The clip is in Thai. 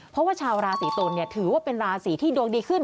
เพราะว่าชาวราศีตุลถือว่าเป็นราศีที่ดวงดีขึ้น